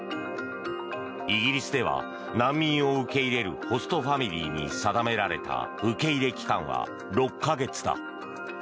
イギリスでは難民を受け入れるホストファミリーに定められた受け入れ期間は６か月だ。